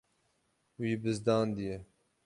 Wî bizdandiye.